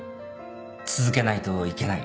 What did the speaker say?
続けないといけない。